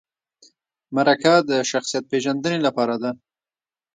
مرکه د شخصیت پیژندنې لپاره ده